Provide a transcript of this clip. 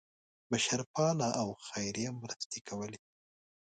بشرپاله او خیریه مرستې کولې.